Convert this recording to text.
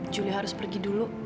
julia harus pergi dulu